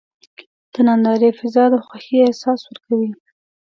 د نندارې فضا د خوښۍ احساس ورکوي.